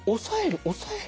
抑える？